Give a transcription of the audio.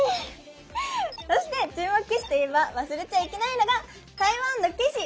そして注目棋士といえば忘れちゃいけないのが台湾の棋士